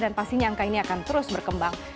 dan pastinya angka ini akan terus berkembang